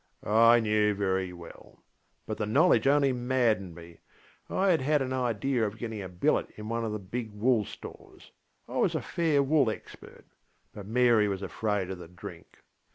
(I knew very well, but the knowledge only maddened me. I had had an idea of getting a billet in one of the big wool stores ŌĆöI was a fair wool expertŌĆöbut Mary was afraid of the drink.